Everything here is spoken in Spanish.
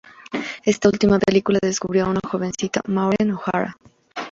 Esta última película descubrió a una jovencísima Maureen O'Hara.